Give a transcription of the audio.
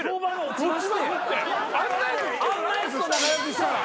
あんなやつと仲良くしたら。